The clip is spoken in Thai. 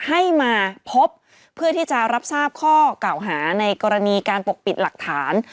ให้มาพบเพื่อที่จะรับทราบข้อเก่าหาในกรณีการปกปิดหลักฐาน